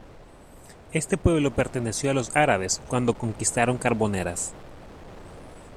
Este pueblo perteneció a los árabes cuando conquistaron Carboneras.